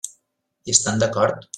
Hi estan d'acord?